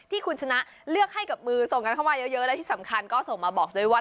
ที่คุณชนะเลือกให้กับมือส่งกันเข้ามาเยอะและที่สำคัญก็ส่งมาบอกด้วยว่า